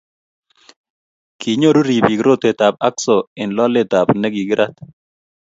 kinyoru ribiik rotwetab hakso eng loletab nekikirat